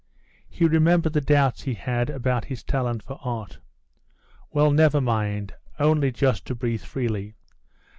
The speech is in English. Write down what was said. He remembered the doubts he had about his talent for art. "Well, never mind; only just to breathe freely.